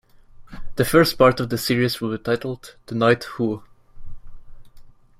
The first part of the series will be titled "The Knight Who".